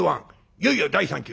いよいよ第３球。